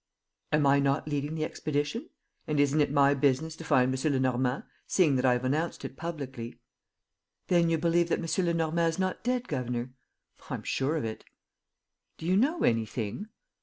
"Am I not leading the expedition? And isn't it my business to find M. Lenormand, seeing that I've announced it publicly?" "Then you believe that M. Lenormand is not dead, governor?" "I'm sure of it." "Do you know anything?"